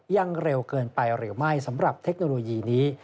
ยังเร็วเกินไปหรือไม่สำหรับเทคโนโลยีนี้